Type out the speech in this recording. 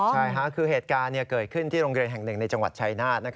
ใช่ค่ะคือเหตุการณ์เกิดขึ้นที่โรงเรียนแห่งหนึ่งในจังหวัดชายนาฏ